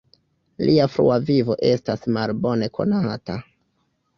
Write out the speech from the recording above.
Lia frua vivo estas malbone konata.